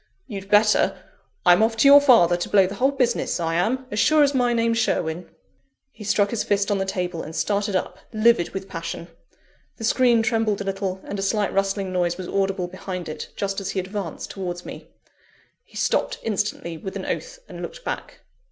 You'd better I'm off to your father to blow the whole business; I am, as sure as my name's Sherwin!" He struck his fist on the table, and started up, livid with passion. The screen trembled a little, and a slight rustling noise was audible behind it, just as he advanced towards me. He stopped instantly, with an oath, and looked back.